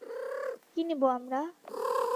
কী নিবো আমরা?